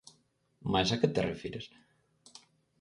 Mais, a que te refires?